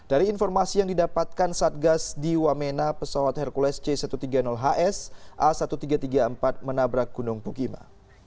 dari informasi yang didapatkan satgas di wamena pesawat hercules c satu ratus tiga puluh hs a seribu tiga ratus tiga puluh empat menabrak gunung pugima